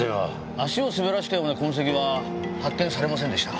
足を滑らせたような痕跡は発見されませんでした。